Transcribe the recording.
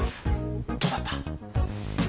どうだった？